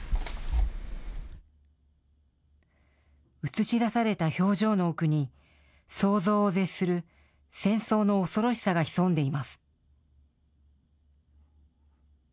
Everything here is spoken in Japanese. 映し出された表情の奥に想像を絶する戦争の恐ろしさが潜んでいます。